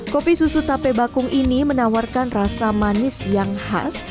kopi susu tape bakung ini menawarkan rasa manis yang khas